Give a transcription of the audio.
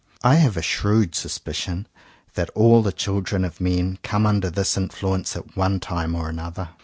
I have a shrewd suspicion that all the children of men come under this influence at one time or another.